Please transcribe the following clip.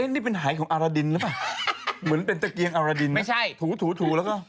นี่เป็นหายของอารดินหรือเปล่าเหมือนเป็นตะเกียงอารดินไม่ใช่ถูถูถูแล้วก็